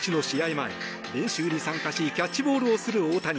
前、練習に参加しキャッチボールをする大谷。